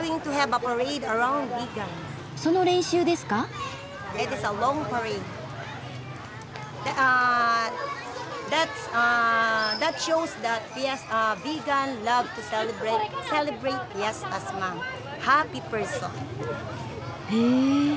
その練習ですか？へ。